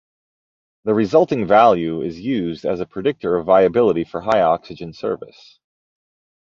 The resulting value is used as a predictor of viability for high-oxygen service.